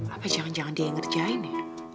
apa jangan jangan dia yang ngerjain ya